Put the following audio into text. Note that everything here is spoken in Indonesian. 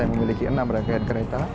yang memiliki enam rangkaian kereta